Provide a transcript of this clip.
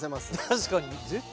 確かに。